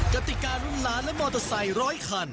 กติการุ่นล้านและมอเตอร์ไซค์ร้อยคัน